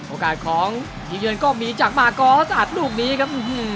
โอกาสของทีมเยือนก็มีจากมากอสอัดลูกนี้ครับ